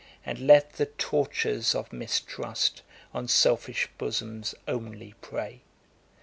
And let the tortures of mistrust On selfish bosoms only prey.